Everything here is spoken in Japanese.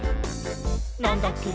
「なんだっけ？！